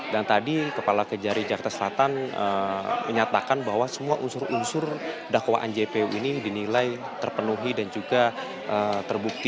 dan tadi kepala kejari jakarta selatan menyatakan bahwa semua unsur unsur dakwaan jpu ini dinilai terpenuhi dan juga terbukti